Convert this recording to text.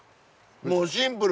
もうシンプル！